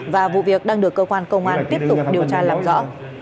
và vụ việc đang được cơ quan công an tiếp tục điều tra làm rõ